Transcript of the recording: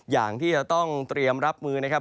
อย่างที่จะต้องเตรียมรับมือนะครับ